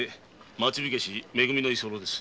町火消し「め組」の居候です。